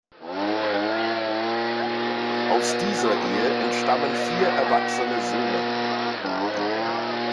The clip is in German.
Aus dieser Ehe entstammen vier erwachsene Söhne.